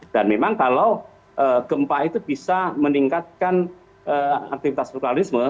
dan memang kalau gempa itu bisa meningkatkan aktivitas vokalisme